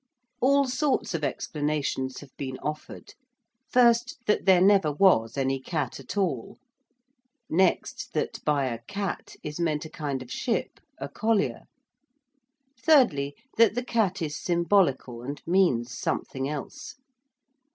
All sorts of explanations have been offered. First, that there never was any cat at all. Next, that by a 'cat' is meant a kind of ship, a collier. Thirdly, that the cat is symbolical and means something else.